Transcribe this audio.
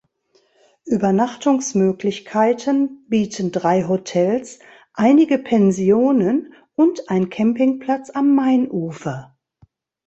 Übernachtungsmöglichkeiten bieten drei Hotels, einige Pensionen und ein Campingplatz am Mainufer.